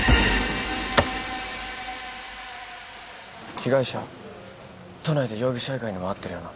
被害者都内で容疑者以外にも会ってるよな？